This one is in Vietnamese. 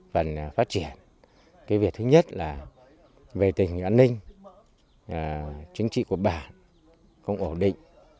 về tình hình an ninh chính trị của bản cũng ổn định